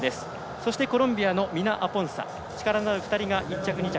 そしてコロンビアのミナアポンサ力のある２人が１着、２着。